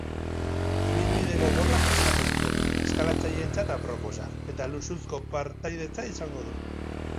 Ibilbide gogorra prestatu dute, eskalatzaileentzat aproposa, eta luxuzko partaidetza izango du.